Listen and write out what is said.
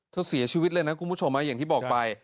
เสียชีวิตเลยนะคุณผู้ชมอย่างที่บอกไป